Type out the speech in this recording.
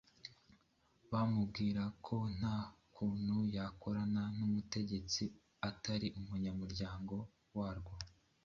bamubwira ko nta kuntu yakorana n'ubutegetsi atari umunyamuryango waryo.